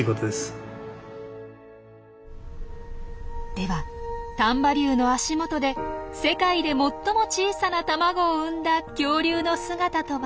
では丹波竜の足元で世界で最も小さな卵を産んだ恐竜の姿とは？